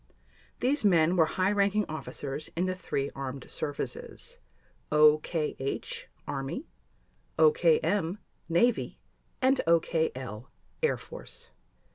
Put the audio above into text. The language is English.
These men were high ranking officers in the three armed services: OKH—Army, OKM—Navy, and OKL—Air Force.